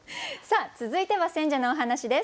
続いては選者のお話です。